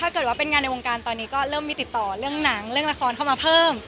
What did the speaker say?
เกิดว่าเป็นงานในวงการตอนนี้ก็เริ่มมีติดต่อเรื่องหนังเรื่องละครเข้ามาเพิ่ม